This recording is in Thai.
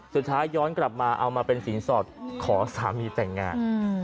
สุดท้ายย้อนกลับมาเอามาเป็นสินสอดขอสามีแต่งงาน